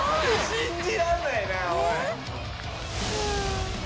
信じらんないなおい！